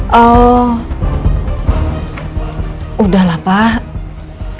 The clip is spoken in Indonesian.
lalu ada siapa di blazer